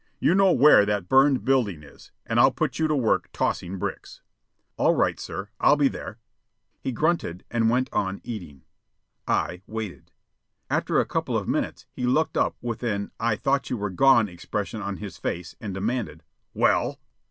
You know where that burned building is, and I'll put you to work tossing bricks." "All right, sir; I'll be there." He grunted and went on eating. I waited. After a couple of minutes he looked up with an I thought you were gone expression on his face, and demanded: "Well?"